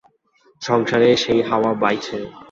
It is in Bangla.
সংসারে সেই হাওয়া বাইছে।